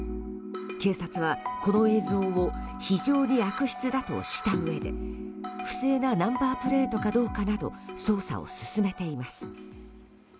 警察は、この映像を非常に悪質だとしたうえで不正なナンバープレートかどうかなど捜査を進めています。